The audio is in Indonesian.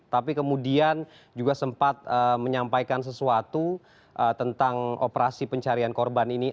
tapi kemudian juga sempat menyampaikan sesuatu tentang operasi pencarian korban ini